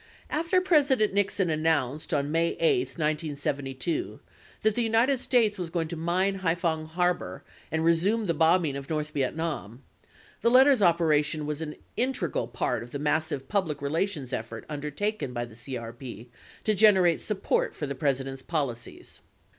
After President Nixon announced on May 8, 1972, that the United States was going to mine Haiphong harbor and resume the bombing of North Vietnam, the letters operation was an integral part of the mas sive public relations effort undertaken by the CRP to generate support for the President's policies.